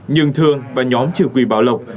nhưng thường và nhóm chủ quỳ bảo lộc